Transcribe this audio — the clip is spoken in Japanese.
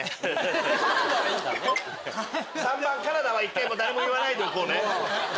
「３番カナダ」は誰も言わないでおこうね。